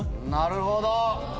なるほど。